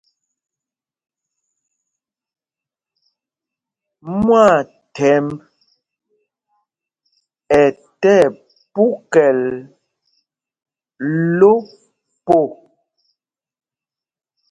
Mwaathɛmb ɛ tí ɛpukɛl lo po.